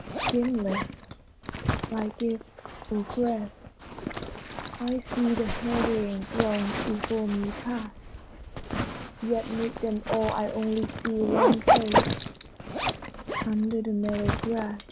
Dimly, by gift or grace, I see the hurrying throngs before me pass ; Yet 'mid them all I only see one face Under the meadow gra^.